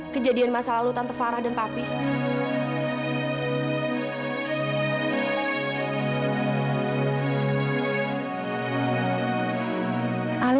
kejadian masa lalu tante fadil